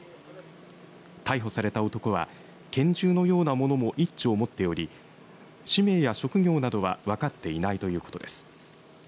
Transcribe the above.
逮捕された男は拳銃のようなものも１丁持っており氏名や職業などは分かっていないということです。